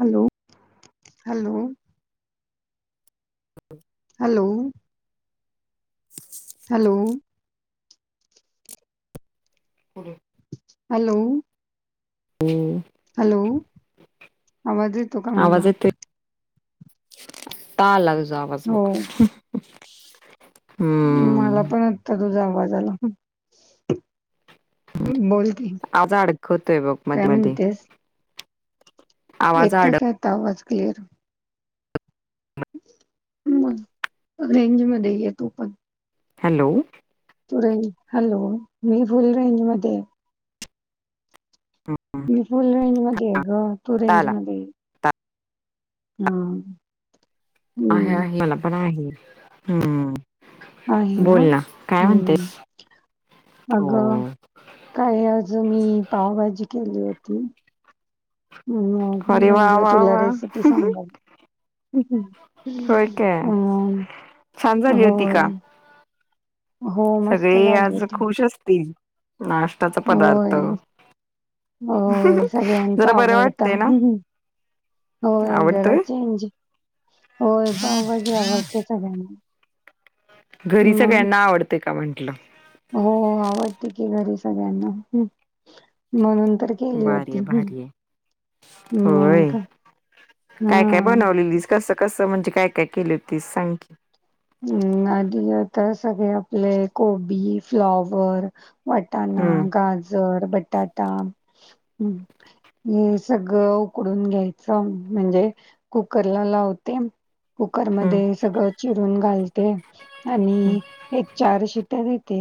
Hello hello hello hello. हं hello. ह. Hello आवाज येतो का आवाज माझा येतोय आता आला तुझाआवाज बघ. हो मला हम्म पण आत्ता तुझा आवाज आला बोल की. आता अडखळतो बघ काय मधी मधी. येतोच काय, अडक आताआवाज क्लिअर. मग रेंज मध्ये येतो पण. हॅलो. हॅलो मी फुल रेंज मध्ये. हम्म मी फुल रेंज मध्ये आहे ग तु आता रेंज आला मध्ये ये. हं. आहे आहे मला, पण आहे हं. आहे बोल ना काय हम्म म्हणतेस हो. अगं काय आज मी पावभाजी केली होती. ह मग, मी अरे वा म्हटलं, वा तुला वा रेसिपी सांगल. हं. होय काय छान झाली होती होय का हो, मस्त सगळे झाली आज होती. खुश असतील आ. होय होय सगळ्यांचा जरा बरं आवडता. वाटतंय ना होय जरा आवडतोय चेंज होय पाव भाजी आवडते सगळ्यांना. घरी मग सगळ्यांना आवडते का म्हंटलं. हो हो, आवडते की घरी सगळ्यांना म्हणून तर केली भारी ये, होती. हं. भारी, ये, होय मग काय काय हां. बनवलेली दिसते. कसं कसं म्हणजे काय काय केली ते, सांग की. हं. आधी आता सगळे आपले कोबी फ्लॉवर वाटाणा. हं. गाजर बटाटा ह. हे सगळं उकडून घ्यायचं म्हणजे कुकरला लावते. हम्म कुकरमध्ये सगळं. ह, 'घालते आणि एक चार शिट्या, देते.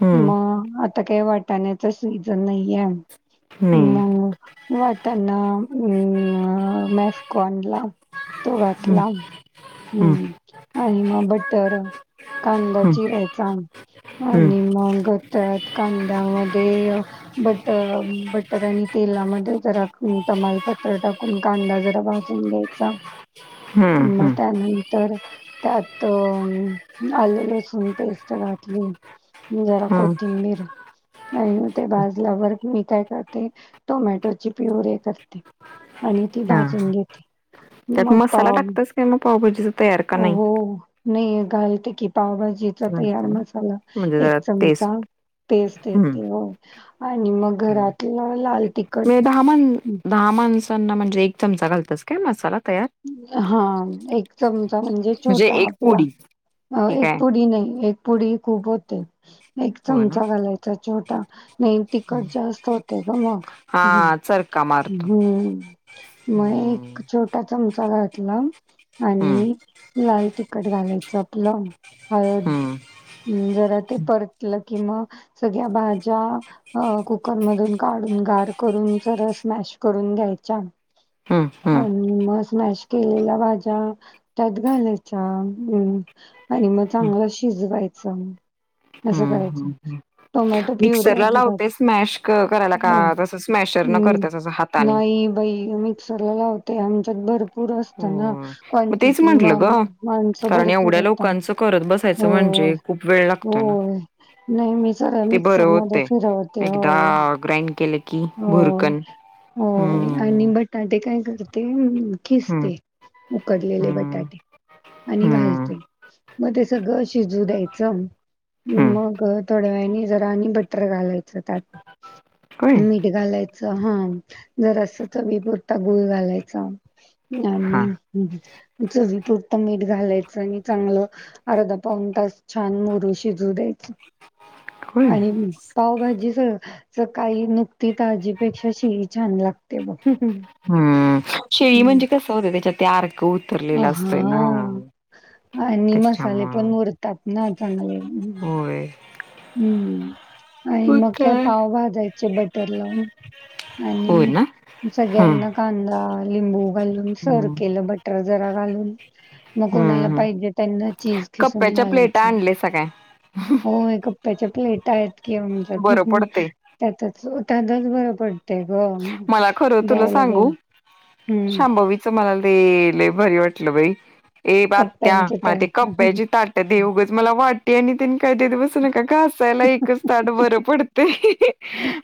हम्म मग आता काही वाटाण्याचा सीजन नाही आहे. नाही मग वाटना अम, मॅफकॉन ला तो घातला, हम्म आणि मग बटर, कांदा चिरायचा. हम्म आणि मग [unintelligible] त्यात कांद्यामध्ये बट -बटर आणि तेलामध्ये जरा तमालपत्र टाकून कांदा जरा भाजून घ्याई चा, हम्म मग हम्म त्यानंतर त्यात, आल लसूण पेस्ट घातली. जरा हम्म कोथिंबीर आणि ते भाजल्यावर मी काय करते टोमॅटोची प्युरे करते. आणि ती हा भाजून घेते. त्यात म मसाला पाव, टाकतस काय मग पावभाजीचा तयार का नाही हो नाही घालते की पावभाजीचा घालतो तयार ना मसाला. म्हणजे एक जरा चमचा टेस्ट टेस्ट हम्म येते. हो आणि मग घरातलं लाल तिखट आमन दहा माणसांना म्हणजे एक चमचा घालतीस काय मसाला तयार? हा, एक चमचा म्हणजे छोटा एक आपला. पोडी अ ठीक एक आहे पुडी नाही, एक पुडी खूप होते. एक हो ना चमचा घालायचा छोटा, नाही हम्म तिखट जास्त होते ग मग. ह- हा चरका मारतो हम्म, म हम्म एक छोटा चमचा घातला, हम्म आणि लाल तिकट घालायचं आपलं, हळ हम्म हम्, जरा ते परतलं किं म सगळ्या भाज्या अ कुकर मधून काढून गार करून सरस स्मॅश करून घ्यायच्या. हम्म्म, हम्म हम् म स्मॅश केलेल्या भाज्या त्यात घालायच्या. हम् आणि मग हम्म चांगला शिजवायच, असं हम्म करायचं. हम्म टोमॅटो प्युरी मिक्सरला अजिबात लावते स्मॅश करायला का हो, तस स्मॅशर न करते हम्म. हात नाही बाई मिक्सरला लावते. आमच्यात भरर भरपूर असत ना होय. मग तेच क्वांटिटी म म्हंटलं ग -माणस कारण भरपूर एवढ्या होतात लोकांचं करत बसायचं हो. म्हणजे खूप वेळ लागतो ना. होय, नाही मी सरळ ते बरं मिक्सर मध्ये होतय. फिरवते एकदा होय. ग्राइंड केले की हो भुरकन हो आणि हम्म. बट बटाटे काय करते हम्म खिसते उकडलेले हम्म बटाटे आणि हम्म घालते, मग ते सगळं शिजू द्यायचं. हम्म मग थोड्या वेळाने जरा आणि बटर घालायचं त्यात. होय मीठ घालायचं हा जरा अस चवी पुुरता गुळ घालायचा. हा आणि चवीपुरत मीठ घालायचं आणि चांगलं अर्धा पाऊन तास छान मुरू शिजू द्या होय. आणि पावभाजी स स काही नुसती ताजीपेक्षा शिळी छान लागते बघ. हम्, म शीळी हम्म म्हणजे कस होतं त्याच्यात ते अर्क अ, उतरलेला असतोय ना. हां. आणि मसाले पण त्याच्यामुळं मुरतात ना चांगले. होय. हम्म, आणि मग काय पाव भाज बटर लावून, होय आणि ना हम्म सगळ्यांना कांदा लिंबू घालून सर्व्ह हम्म केलं बटर जरा घालून. मग कोणाला हम्म. पाहिजे त्यांना चीज खिसून घाला ते काय आणलयसा काय? होय कप्प्याच्या प्लेटा आहेत की आमच्यात बरं पडतंय. त्यातचं त्यातचं बर पड तय गं मला खरं तुला द्यायला पण सांगू हम्म. शांभवीचं मला ते लय भारी वाटलं बाई ए आत्या कप्प्यांचं मला त्या ते कप्प्याची ता ट दे उगच मला वाटी आणि तेन काही देत बसू नका घासायला एकच ताट बरं पडतंय.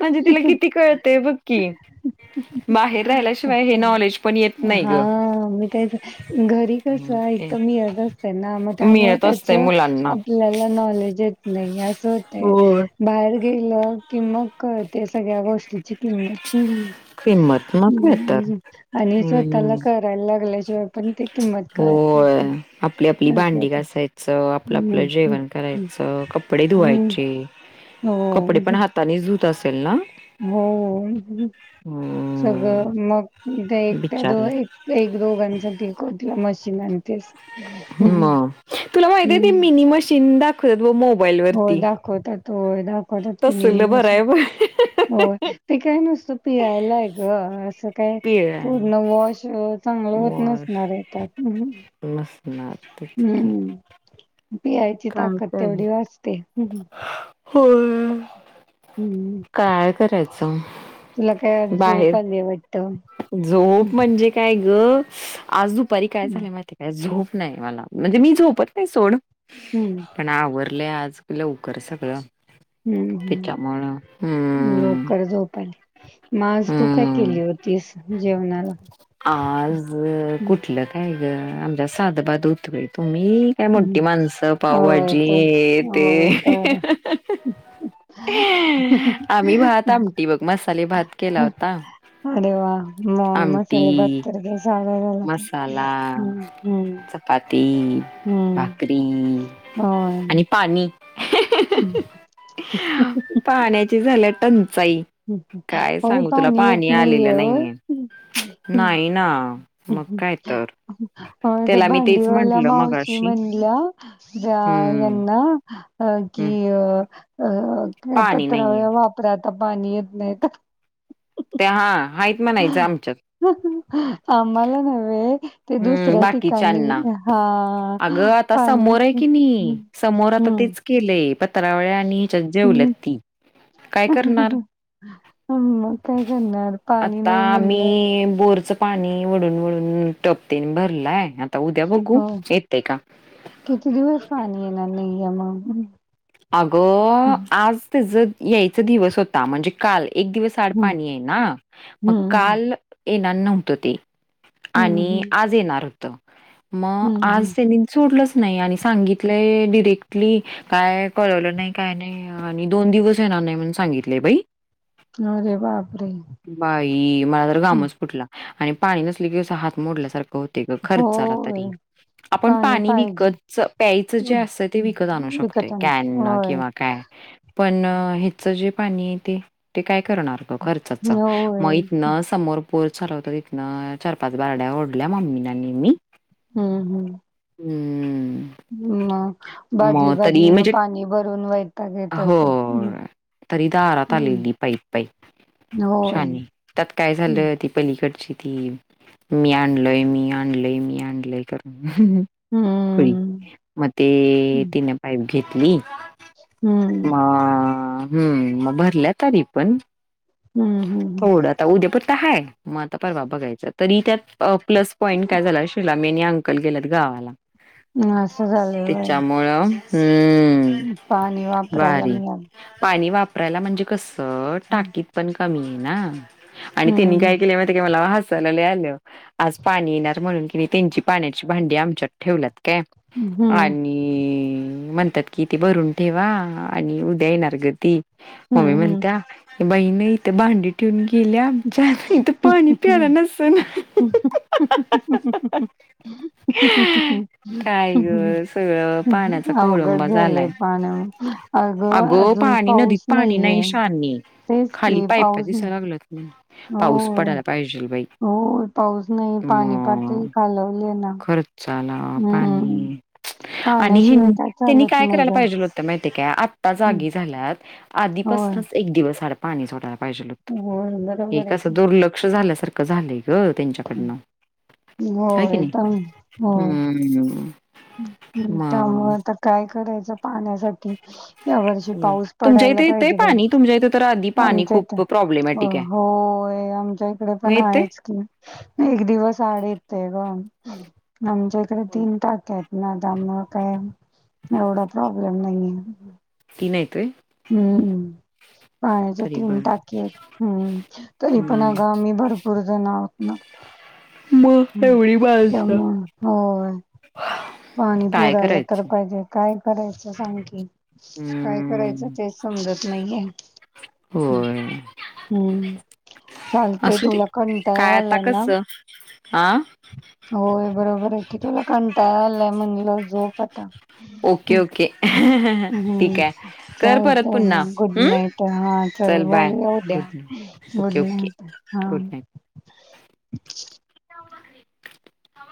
म्हणजे तिला किती कळतंय बघ की. बाहेर राहिल्याशिवाय हे नॉलेज पण येत नाही हा ग. मी त्याच घरी कसं इथं मी येत असते ना मग त्यामुळे मिळत त्याच असतंय मुलांना. आप ल्याला नॉलेज येत नाही असं होत होय. बाहेर गेलं कि मग कळतंय सगळ्या गोष्टीची किंमत किंमत मग काय तर आणि स्वतःला हम्म. करायला लागल्याशिवाय पण ती किंमत कळत होय नाही. आपली आपली असं भांडी होतं. घासायचं आपलं हं, आपलं हं, जेवण हं, करायचं, कपडे हं. धुवायचे. हो, कपडे पण हातानेच धुतं असेल ना? हो सगळं हम्म मग त्या एकट्या दो बिचारी एक एक दोघांसाठी कुठलं मशीन आणतेस. ह हं, म हं. तुला माहिती आहे ते हं. मिनी मशीन दाखवतात ब मोबाईल वरती होतात होय दाखवतात की मीनी तसलं मशिन भराय होय ते काय नुसतं पिळायला आहे गं असं काय पिळा पूर्ण वॉश चांगलं होत वॉश नसणार आहे त्यात नसणार तेच की. पिळायची ताकद तेवढी वाचते. होय. हम्म. काय करायचं तुला काय आज बाहेर झोप आलीये वाटतं. झोप हम्म म्हणजे काय गं आज दुपारी काय झालं माहिती काय झोप नाही मला म्हणजे मी झोपत नाही सोड. हम्म. पण आवरलंय आज लवकर सगळं हम्म त्याच्यामुळं हम्म लवकर झोप आली, म आज तू काय हम्म केली होतीस जेवणाला? आज हं, कुठलं काय गं आमच्यात साधंबाधं हुत बाई. तुम्ही काय हं. मोठी माणसं होय पावभाजी तर हे ते. होय तर आम्ही भात आमटी बघं, मसाले भात केला होता. अरे वा! मंग म साले भात आमटी, तर काय साधा झाला काय? मसाला, हम्म हम्म. चपाती, भाकरी आणि पाणी हम्. पाण्याची झाल्या टंचाई. काय होय सांगू तुला येत पाणी नाहीये आलेलं नाही होय. आहे. हं, नाही ना मग काय तर अ त्या त्याला मी तेच भांडीवाल्या म्हंटलं मावशी मगाशी म्हणल्या जा हम्म यांना अ कि हम्म अ अ पाणी नाहीये पत्रावळ्या वापरा आता पाणी येत नाही तर. ते हां हाईत म्हणायच आमच्यात. आम्हाला नव्हे ते हम्म, दुसऱ्या ठिकाणी बाकीच्यांना. हां अगं आता पाणी समोर हम्म केलय पत्रावळ्या आणि [unintelligible] जेवलेत ती. काय करणार? ह [inaudible] मग काय करणार पाणी आता नाही म्हटल्यावर. मी बोरचं पाणी वडून वडून टपतेन भरलाय आता उद्या बघू हो येतय का? किती दिवस पाणी येनार नाहीये मग. अग हम्म आज त्याचा यायचा दिवस होता म्हणजे काल एक दिवस सांड पाणी आहे ना मग हम्म काल येणार नव्हत ते. हम्म आणि आज येणार होत मग हम्म आज हम्म त्यांनी सोडलच नाही आणि सांगितलय डिरेक्टली काय? कळवल नाही काय नाही आणि दोन दिवस येणार नाही म्हणून सांगितलय बाई. अरे बापरे. बाई मला तर हं. घामच फुटला, आणि पाणी नसल की हात मोडल्यासारख. होतय ग खर्चाला होय तरी. आपण पाणी विकतच, प्यायच जे हं, असतय ते हं. विकत आणू शकतोय. विकत आण कॅन न होय किंवा काय, पण हिच जे पाणी आहे ते, ते काय करणार. खर्चाचा, होय मग इथन समोर बोर चालू होत तिथन, चार पाच बाल्ड्या ओढल्या मम्मीना आणि मी. हम्म हम्म. हम्म. मग, बादली मग तरी बादली न पा म्हणजे पाणी भरून वैताग येत असेल. होय. तरी दारात आलेली पाईप पाईप होय, शानी त्यात काय हम्. झालं ती पलीकडची ती, मी आणलोय, मी आणलय, मी आणलय करत खुळी, हम्म मग ते तिन पाईप घेतली. हम्म मग अ हम्म, मग भरल्या तरी पण. हम्म हम्म उद्यापुरत हाय, मग आता परवा बघायच. तरी त्यात प्लस पॉईंट काय झाला, शिलामी [unintelligible] अंकल गेल्यात गावाला. असं झालंय होय. त्याच्यामुळ हम्म पाणी वापरायला भारी, मिळालं पाणी वापरायला म्हणजे कस टाकीत पण कमी आहे ना, आणि त्यांनी काय हम्म केलय माहितय का मला आल, आज पाणी येणार म्हणून कि नै त्यांची पाण्याची भांडी आमच्यात ठेवलीत काय. हम्म आणि म्हणतात कि ते भरून ठेवा, आणि उद्या येणार ग ती, मम्मी हम्म म्हणत्या बाई न इथ भांडी ठीऊन गेल्या आमच्यात, इथ पाणी प्याला नसन. काय ग, हम्म सगळ पाण्याचा अवघड कोळंबा झालंय झालाय, पाण्या अग अगं अजून पाणी नदीत पाऊस पाणी नाही नाहीये शहाने. तेच खाली की पाईप पाऊस नाही दिसायला लागल्यात म्हण. पाऊस हो पडायला पाहिजेल बाई, हो पाऊस नाही पाणी पातळी मग खालवली ना खरच. चाला हम्म पाणी. आणि पाण्याशिवाय ह्यांनी काय? त्यांनी चालत काय नाही करायला ग पाहिजे होत माहितीय काय? आत्ता जागी झाल्यात होय आधीपासनच एक दिवस आड पाणी सोडायला पाहिजेल होत. होय हे बरोबर आहे कसं की दुर्लक्ष झाल्यासारखं झालंय ग हं. त्यांच्याकडनं. हाय की होय नाही? तर हं. हं हं, त्यामुळ आता काय करायचं पाण्यासाठी? या वर्षी पाऊस तुमच्या पडायला इथे येतंय पाहिजे बाई, पाणी तुमच्या इथे तर आधी पाणी आमच्या ईथ. खूप हो. प्रॉब्लेमॅटिक आहे होय, आमच्या इकडे मग पण येतंय? आहेच की. एक दिवस आड येतय ग, आमच्या कडे तीन टाक्या आहेत. ना त्यामुळे काय एवढा प्रॉब्लेम नाहीये. तिन आहेत व्हय? हं. पाण्याच्या तरी तीन बर टाकी आहेत. हं. तरी पण हम्म अगं, आम्ही भरपूर जण आहोत ना. मग हं, एवढी माणसं त्यामुळं, होय. पाणी काय पुरायला तर करायचं पाहिजे. काय करायचं सांग की? काय करायचं हम्म तेच समजत नाहीेये. अं. होय हं, चालतय. तुला कंटाळा आलाय ना? [inaudible] आं? होय बरोबर आहे कि. तुला कंटाळा आलाय मनलं झोप आता. ओके हं ओके. [unintelligible] हा ठीक हं आहे. कर परत चालतंय पुन्हा. मग गुड हं? नाईट हा चल बाय, बोलूया गुड उद्या night. Good okay okay. Night हा. Good night. [inaudible]